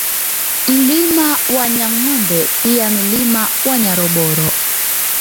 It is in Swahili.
Mlima wa Nyangombe pia Milima ya Nyaroboro